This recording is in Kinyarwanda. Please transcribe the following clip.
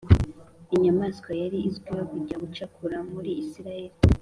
inyamaswa yari izwiho kugira ubucakura muri Isirayeli